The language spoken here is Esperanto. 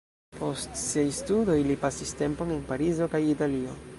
Post siaj studoj li pasis tempon en Parizo kaj Italio.